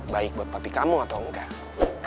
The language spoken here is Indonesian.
baik buat papi kamu atau enggak